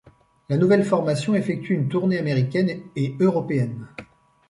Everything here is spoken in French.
La nouvelle formation effectue une tournée américaine et européenne.